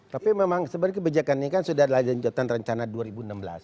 tapi memang sebenarnya kebijakan ini kan sudah ada di anggapan rencana tahun dua ribu